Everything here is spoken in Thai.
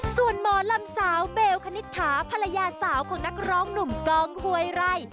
ส่วนหมอลำสาวเบลคณิตถาภรรยาสาวของนักร้องหนุ่มกองหวยไร่